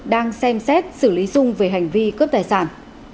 đang xem xét xử lý dung về hành vi cướp tài sản